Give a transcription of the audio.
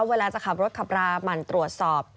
เวลาจะขับรถขับราหมั่นตรวจสอบ